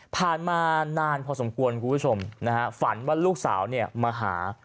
ผ่านมานานพอสมควรคุณผู้ชมฝันว่าลูกสาวมาหา